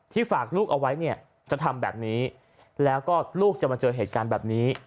ฝากลูกเอาไว้เนี่ยจะทำแบบนี้แล้วก็ลูกจะมาเจอเหตุการณ์แบบนี้